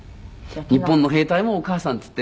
日本の兵隊も「お母さん」って言ってね